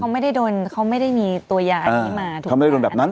เขาไม่ได้โดนเขาไม่ได้มีตัวยาอันนี้มาถูกเขาไม่ได้โดนแบบนั้น